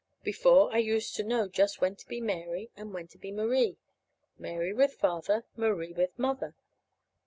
Before, I used to know just when to be Mary, and when to be Marie Mary with Father, Marie with Mother.